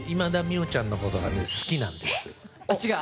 違う